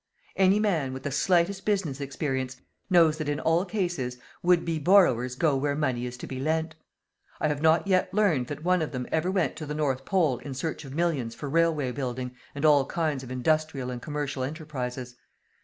Any man, with the slightest business experience, knows that, in all cases, would be borrowers go where money is to be lent. I have not yet learned that one of them ever went to the North Pole in search of millions for railway building and all kinds of industrial and commercial enterprises.